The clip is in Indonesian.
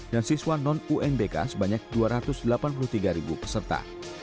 dan siswa non unbk sebanyak dua ratus delapan puluh tiga peserta